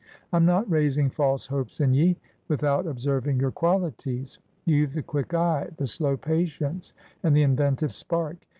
I'm not raising false hopes in ye, without observing your qualities. You've the quick eye, the slow patience, and the inventive spark.